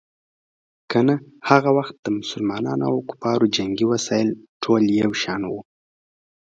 ګیني هغه وخت د مسلمانانو او کفارو جنګي وسایل ټول یو شان وو.